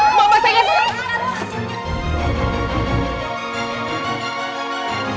kita mulai setelah tanggal tadi